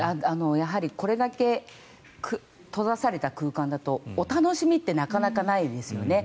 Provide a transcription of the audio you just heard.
やはりこれだけ閉ざされた空間だとお楽しみってなかなかないですよね。